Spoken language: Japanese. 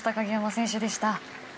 鍵山選手でした。